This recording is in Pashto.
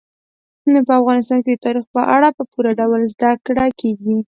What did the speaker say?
په افغانستان کې د تاریخ په اړه په پوره ډول زده کړه کېږي.